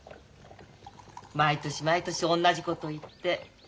毎年毎年同じこと言って。